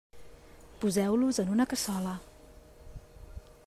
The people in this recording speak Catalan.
Poseu-los en una cassola.